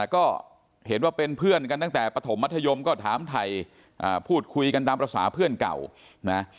ก็เห็นว่าเป็นเพื่อนกันตั้งแต่ปฐมมัธยมก็ถามไทยพูดคุยกันตามภาษาเพื่อนเก่านะ